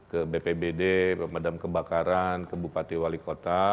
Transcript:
ke bpbd ke medan kebakaran ke bupati wali kota